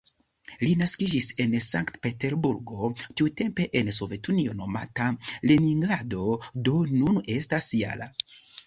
Li naskiĝis en Sankt-Peterburgo, tiutempe en Sovetunio nomata Leningrado, do nun estas -jara.